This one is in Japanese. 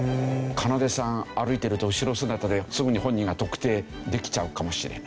かなでさん歩いていると後ろ姿ですぐに本人が特定できちゃうかもしれない。